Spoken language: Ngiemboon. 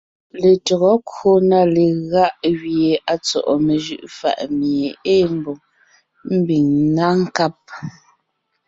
Letÿɔgɔ kwò na legáʼ gẅie à tsɔ́ʼɔ mejʉʼʉ fàʼ mie ée mbòŋ, ḿbiŋ ńná nkáb,